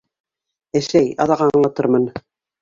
Әсәй, аҙаҡ аңлатырмын.